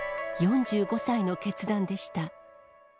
４５歳の決断でした。